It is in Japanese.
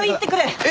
えっ？